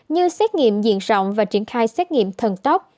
như xét nghiệm diện rộng và triển khai xét nghiệm thần tốc